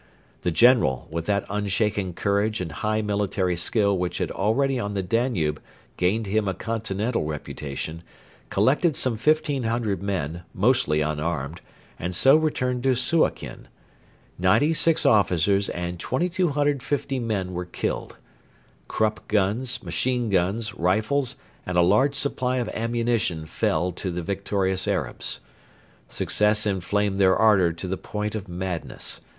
The general, with that unshaken courage and high military skill which had already on the Danube gained him a continental reputation, collected some fifteen hundred men, mostly unarmed, and so returned to Suakin. Ninety six officers and 2,250 men were killed. Krupp guns, machine guns, rifles, and a large supply of ammunition fell to the victorious Arabs. Success inflamed their ardour to the point of madness.